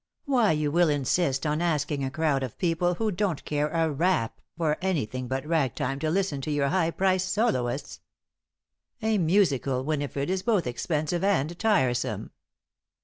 Why will you insist on asking a crowd of people who don't care a rap for anything but ragtime to listen to your high priced soloists? A musical, Winifred, is both expensive and tiresome."